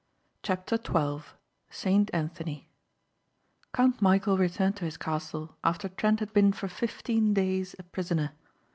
CHAPTER TWELVE SAINT ANTHONY Count Michæl returned to his castle after Trent had been for fifteen days a prisoner.